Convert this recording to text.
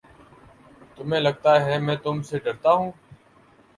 تمہیں لگتا ہے میں تم سے ڈرتا ہوں؟